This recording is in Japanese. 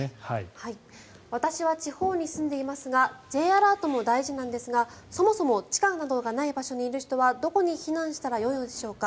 私は地方に住んでいますがＪアラートも大事なんですがそもそも地下などがない場所にいる人はどこに避難したらよいのでしょうか。